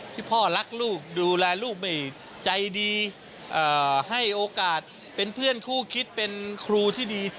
พ่อรักลูกดูแลลูกไม่ใจดีให้โอกาสเป็นเพื่อนคู่คิดเป็นครูที่ดี